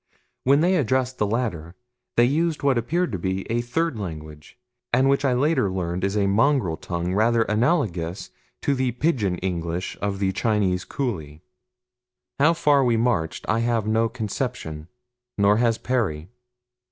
When they addressed the latter they used what appeared to be a third language, and which I later learned is a mongrel tongue rather analogous to the Pidgin English of the Chinese coolie. How far we marched I have no conception, nor has Perry.